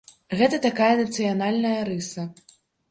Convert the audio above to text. Гэта такая нацыянальная рыса.